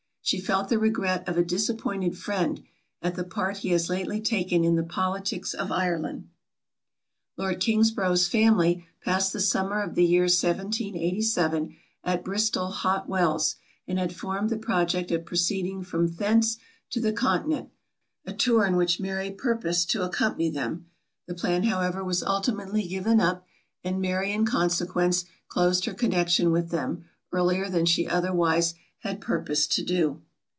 She felt the regret of a disappointed friend, at the part he has lately taken in the politics of Ireland. Lord Kingsborough's family passed the summer of the year 1787 at Bristol Hot Wells, and had formed the project of proceeding from thence to the continent, a tour in which Mary purposed to accompany them. The plan however was ultimately given up, and Mary in consequence closed her connection with them, earlier than she otherwise had purposed to do.